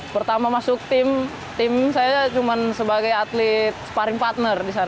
pertama masuk tim tim saya cuma sebagai atlet sparring partner di sana